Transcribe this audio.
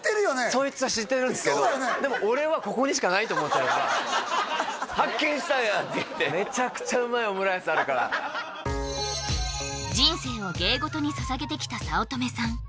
そいつは知ってるんですけどでも俺はここにしかないと思ってるから「発見したんや」って言ってめちゃくちゃうまいオムライスあるから人生を芸事に捧げてきた早乙女さん